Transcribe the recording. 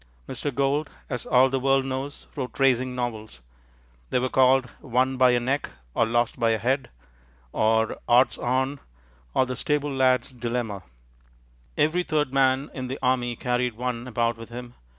Mr. Gould, as all the world knows, wrote racing novels. They were called, Won by a Neck, or Lost by a Head, or Odds On, or The Stable lad's Dilemma. Every third man in the Army carried one about with him.